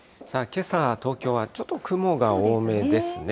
けさ、東京はちょっと雲が多めですね。